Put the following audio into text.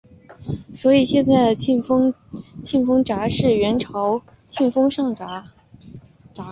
所以现在的庆丰闸是元朝的庆丰上闸。